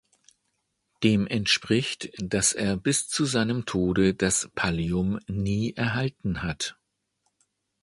Dem entspricht, dass er bis zu seinem Tod das Pallium nie erhalten hat.